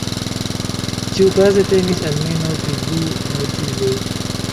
Tiukaze temis almenaŭ pri du mortigoj.